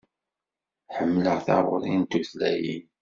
Ḥemmleɣ taɣuri n tutlayin.